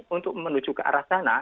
untuk menuju ke arah sana